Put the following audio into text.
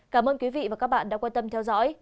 cảm ơn quý vị và các bạn đã quan tâm theo dõi